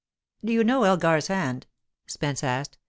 "Do you know Elgar's hand?" Spence asked.